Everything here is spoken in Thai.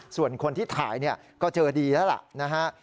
ส่วนคนที่ถ่ายเนี่ยก็เจอดีแล้วล่ะนะฮะ